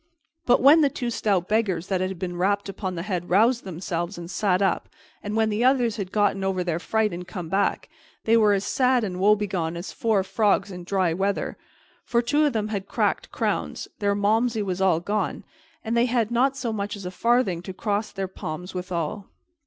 But when the two stout beggars that had been rapped upon the head roused themselves and sat up, and when the others had gotten over their fright and come back, they were as sad and woebegone as four frogs in dry weather, for two of them had cracked crowns, their Malmsey was all gone, and they had not so much as a farthing to cross their palms withal.